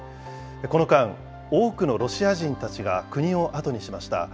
この間、多くのロシア人たちが国を後にしました。